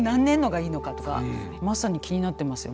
じゃあまさに気になってますよ